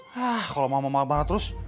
hah kalo mama marah banget terus